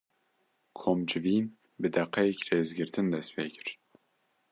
Komcivîn, bi deqeyek rêzgirtin dest pê kir